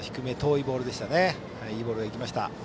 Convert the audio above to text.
いいボールが行きました。